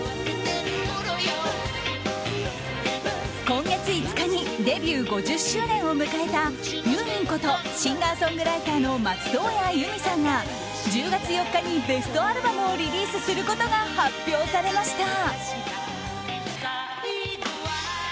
今月５日にデビュー５０周年を迎えたユーミンことシンガーソングライターの松任谷由実さんが１０月４日にベストアルバムをリリースすることが発表されました。